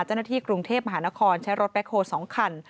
เจ้าหน้าที่กรุงเทพมหานครใช้รถแบ็คโฮล๒คัน